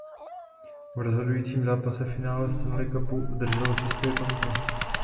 V rozhodujícím zápase finále Stanley Cupu udržel čisté konto.